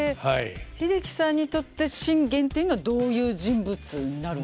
英樹さんにとって信玄っていうのはどういう人物になるんですか。